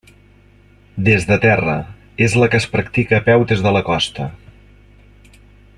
Des de terra: és la que es practica a peu des de la costa.